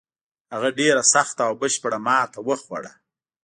هغه ډېره سخته او بشپړه ماته وخوړه.